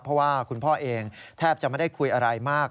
เพราะว่าคุณพ่อเองแทบจะไม่ได้คุยอะไรมาก